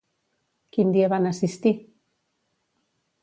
Quin dia van assistir?